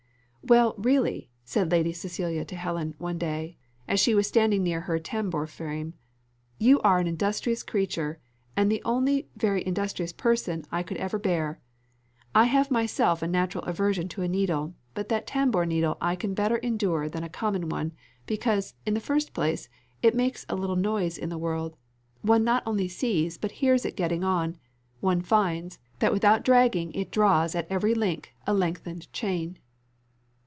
"Well, really," said Lady Cecilia to Helen, one day, as she was standing near her tambour frame, "you are an industrious creature, and the only very industrious person I ever could bear. I have myself a natural aversion to a needle, but that tambour needle I can better endure than a common one, because, in the first place, it makes a little noise in the world; one not only sees but hears it getting on; one finds, that without dragging it draws at every link a lengthened chain."